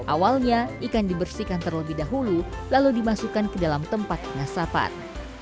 awalnya ikan dibersihkan terlebih dahulu lalu dimasukkan ke dalam tempat pengasapan